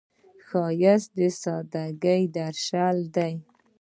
ښایست د سادګۍ درشل دی